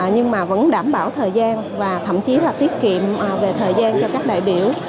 nhưng mà vẫn đảm bảo thời gian và thậm chí là tiết kiệm về thời gian cho các đại biểu